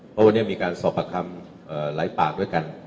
เพราะวันนี้มีการสอบปากคำไร้ปากด้วยกันนะครับ